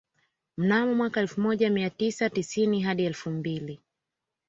Mnamo mwaka elfu moja mia tisa tisini hadi elfu mbili